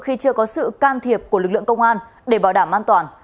khi chưa có sự can thiệp của lực lượng công an để bảo đảm an toàn